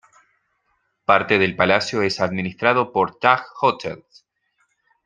Parte del palacio es administrado por Taj Hotels.